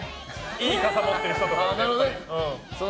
いい傘、持ってる人とかって。